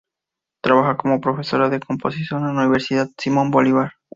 Trabaja como profesora de composición en la Universidad Simón Bolívar.